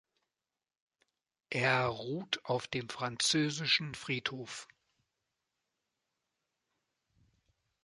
Er ruht auf dem Französischen Friedhof.